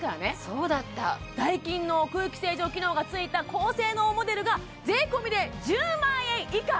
そうだったダイキンの空気清浄機能がついた高性能モデルが税込で１０万円以下！